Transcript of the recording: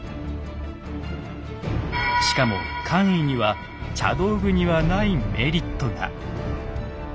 しかも官位には茶道具にはないメリットが。